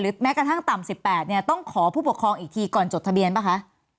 แม้กระทั่งต่ำ๑๘เนี่ยต้องขอผู้ปกครองอีกทีก่อนจดทะเบียนป่ะคะ